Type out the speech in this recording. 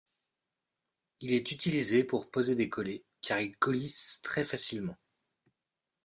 Il est utilisé pour poser des collets, car il coulisse très facilement.